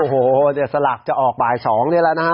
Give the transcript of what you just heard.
โอ้โหเนี่ยสลักจะออกบ่าย๒เนี่ยแล้วนะ